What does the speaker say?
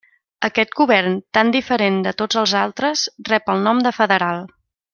Aquest govern, tan diferent de tots els altres, rep el nom de federal.